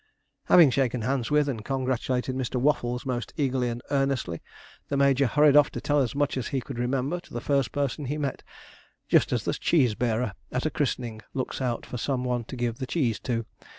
Having shaken hands with, and congratulated Mr. Waffles most eagerly and earnestly, the major hurried off to tell as much as he could remember to the first person he met, just as the cheese bearer at a christening looks out for some one to give the cheese to.